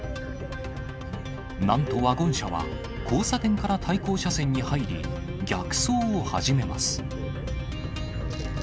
なんとワゴン車は交差点から対向車線に入り、逆走を始めます。